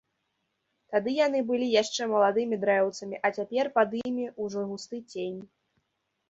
Тады яны былі яшчэ маладымі дрэўцамі, а цяпер пад імі ўжо густы цень.